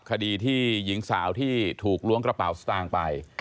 คดีที่หญิงสาวที่ถูกล้วงกระเป๋าสตางค์ไป